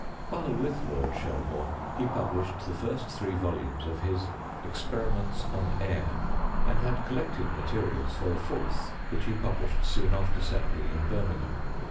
— While ¥rith Lord Shelbume, he published the first three volumes of his Experiments on Air, and had col lected materials for a fourth, which he published soon after settling in Birmingham.